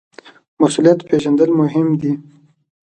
مسوولیت پیژندل مهم دي